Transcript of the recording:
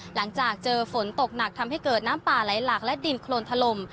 หลังจากเจอฝนตกหนักทำให้เกิดน้ำป่าไหลหลากและดินโครนถล่ม